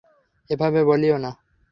এভাবে বলিও না।